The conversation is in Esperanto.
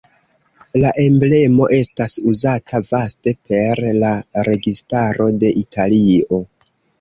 La emblemo estas uzata vaste per la registaro de Italio.